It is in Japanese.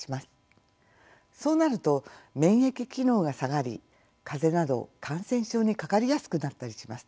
そうなると免疫機能が下がり風邪など感染症にかかりやすくなったりします。